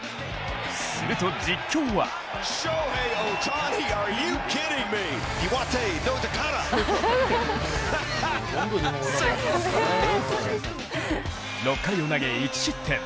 すると実況は６回を投げ１失点。